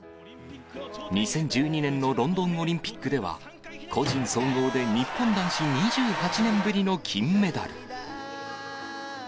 ２０１２年のロンドンオリンピックでは、個人総合で日本男子２８年ぶりの金メダル。